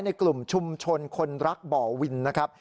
ในกลุ่มชุมชนคนรักบ่อวินนะครับ